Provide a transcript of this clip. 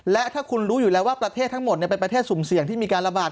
และถ้าคุณรู้อยู่แล้วว่าประเทศทั้งหมดเป็นประเทศสุ่มเสี่ยงที่มีการระบาด